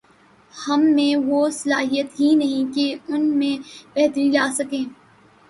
ہم میں وہ صلاحیت ہی نہیں کہ ان میں بہتری لا سکیں۔